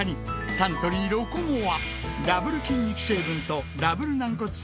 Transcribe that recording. サントリー「ロコモア」！